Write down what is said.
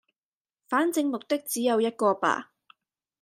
反正目的只有一個吧